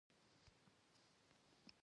مار پښې نلري او په سینه ځي